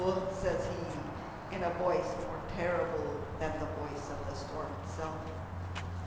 says he, in a voice more terrible than the voice of the storm itself.